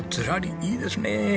いいですねえ。